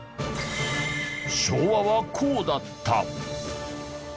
昭和はこうだった。